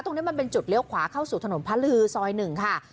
ตรงนี้มันเป็นจุดเลี้ยวขวาเข้าสู่ถนนพระลือซอย๑ค่ะ